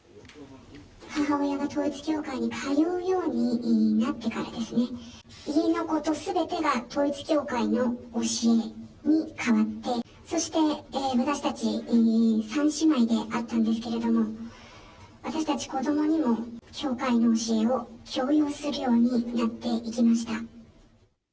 母親が統一教会に通うようになってから、家のことすべてが統一教会の教えに代わって、そして私たち、３姉妹であったんですけれども、私たち子どもにも、教会の教えを強要するようになっていきました。